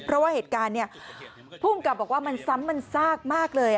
เพราะว่าเหตุการณ์ภูมิกับบอกว่ามันซ้ำมันซากมากเลย